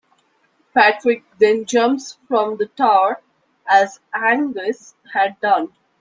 Patrick then jumps from the tower, as Angus had done.